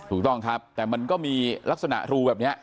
ถูกต้องครับแต่มันก็มีลักษณะรูแบบนี้